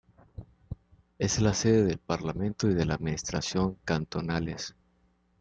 Es la sede del parlamento y de la administración cantonales.